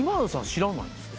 知らないんすか？